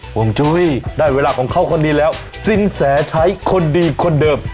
วงจุ้ยได้เวลาของเขาคนนี้แล้วสินแสชัยคนดีคนเดิม